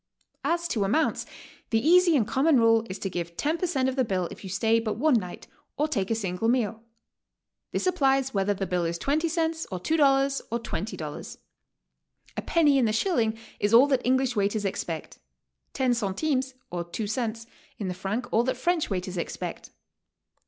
As to amounts, the easy and common rule is to give 10 per cent, of the bill if you stay but one night or take a single meal. This applies whether the bill is twenty cents or two dollars or twenty dollars. A penny in the shilling is all that English waiters expect; ten centimes (or two cents) in the franc all that French waiters expect.